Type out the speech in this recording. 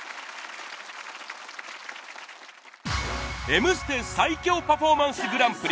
『Ｍステ』最強パフォーマンスグランプリ